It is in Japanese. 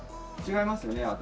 違いますよね